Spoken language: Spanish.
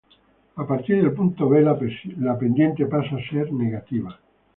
A partir del punto B, la pendiente pasa a ser negativa.